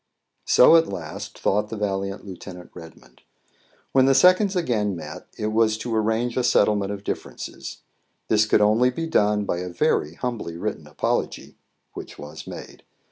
So, at last, thought the valiant Lieut. Redmond. When the seconds again met, it was to arrange a settlement of differences. This could only be done by a very humbly written apology, which was made.